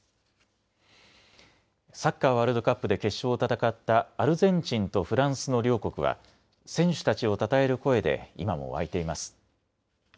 サッカーワールドカップで決勝を戦ったアルゼンチンとフランスの両国は選手たちをたたえる声で今も沸いています。